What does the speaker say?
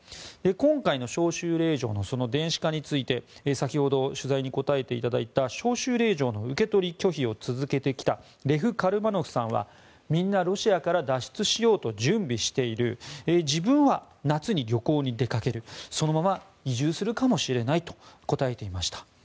今回の招集令状の電子化について先ほど、取材に答えていただいた招集令状の受け取り拒否を続けてきたレフ・カルマノフさんはみんなロシアから脱出しようと準備している自分は夏に旅行に出かけるそのまま移住するかもしれないと答えていました。